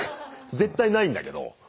絶対ないんだけど。